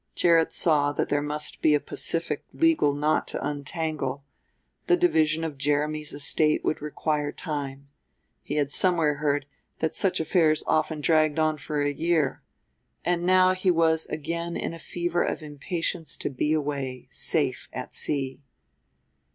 Gerrit saw that there must be a pacific legal knot to untangle; the division of Jeremy's estate would require time he had somewhere heard that such affairs often dragged on for a year; and now he was again in a fever of impatience to be away, safe, at sea.